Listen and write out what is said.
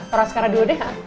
taruh sekarang dulu deh